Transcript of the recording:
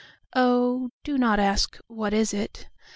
Oh, do not ask, "What is it?"